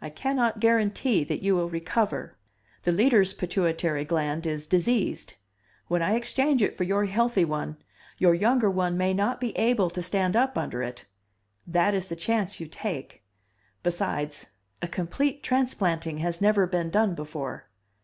"I can not guarantee that you will recover. The Leader's pituitary gland is diseased; when I exchange it for your healthy one your younger one may not be able to stand up under it that is the chance you take. Besides a complete transplanting has never been done before."